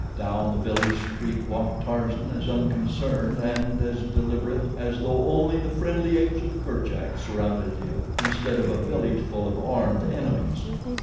Down the village street walked Tarzan, as unconcerned and as deliberate as though only the friendly apes of Kerchak surrounded him instead of a village full of armed enemies.